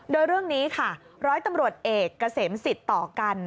โดยเรื่องนี้ค่ะร้อยตำรวจเอกเกษมสิทธิ์ต่อกัน